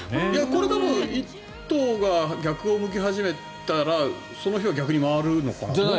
これ多分１頭が逆を向き始めたらその日は逆に回るのかな？